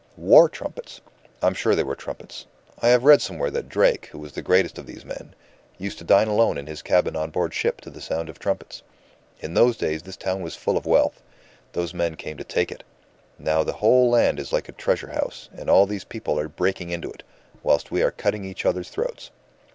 War trumpets! I'm sure they were trumpets. I have read somewhere that Drake, who was the greatest of these men, used to dine alone in his cabin on board ship to the sound of trumpets. In those days this town was full of wealth. Those men came to take it. Now the whole land is like a treasure house, and all these people are breaking into it, whilst we are cutting each other's throats.